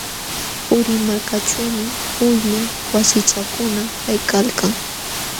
Qurimarkaćhuumi uylu wasichakuna kaykalkan.